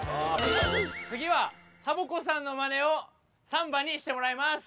つぎはサボ子さんのマネをサンバにしてもらいます！